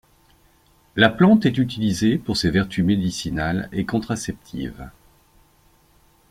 La plante est utilisée pour ses vertus médicinales et contraceptives.